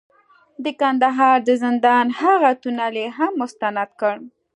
د کندهار د زندان هغه تونل یې هم مستند کړ،